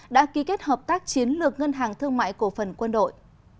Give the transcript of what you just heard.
đã ký kết hợp tác chiến lược ngân hàng thương mại cổ phần quân đội